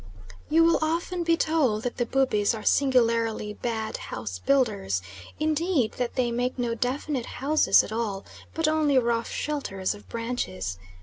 You will often be told that the Bubis are singularly bad house builders, indeed that they make no definite houses at all, but only rough shelters of branches.